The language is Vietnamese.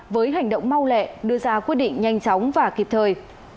với hành động mau lẹ đưa ra quyết định nhanh chóng và kịp thời